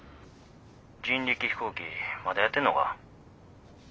人力飛行機まだやってんのか。